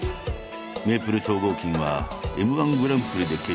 メイプル超合金はＭ−１グランプリで決勝に進出。